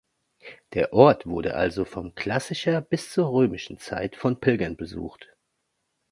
Der Ort wurde also von klassischer bis zur römischen Zeit von Pilgern besucht.